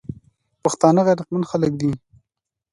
پښتانه غیرتمن خلک دي.